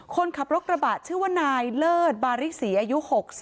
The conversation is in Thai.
คนขับรถกระบะชื่อว่านายเลิศบาริศรีอายุ๖๐